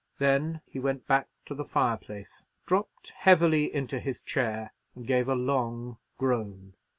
Then he went back to the fireplace, dropped heavily into his chair, and gave a long groan.